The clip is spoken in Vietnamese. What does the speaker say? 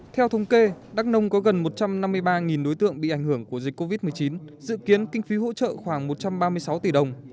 theo thống kê đắk nông có gần một trăm năm mươi ba đối tượng bị ảnh hưởng của dịch covid một mươi chín dự kiến kinh phí hỗ trợ khoảng một trăm ba mươi sáu tỷ đồng